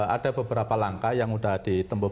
ada beberapa langkah yang sudah ditemukan